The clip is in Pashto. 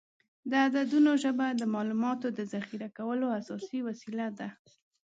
د عددونو ژبه د معلوماتو د ذخیره کولو اساسي وسیله ده.